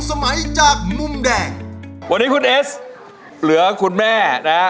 สมัยจากมุมแดงวันนี้คุณเอสเหลือคุณแม่นะฮะ